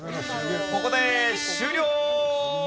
ここで終了！